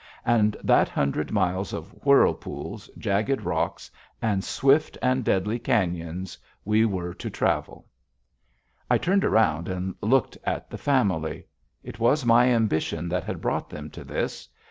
And that hundred miles of whirlpools, jagged rocks, and swift and deadly cañons we were to travel. I turned around and looked at the Family. It was my ambition that had brought them to this.